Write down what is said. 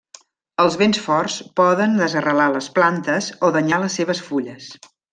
Els vents forts poden desarrelar les plantes o danyar les seves fulles.